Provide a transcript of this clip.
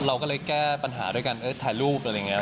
เราก็เลยแก้ปัญหาด้วยการถ่ายรูปอะไรอย่างนี้